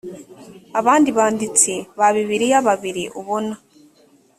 abandi banditsi ba bibiliya babiri ubona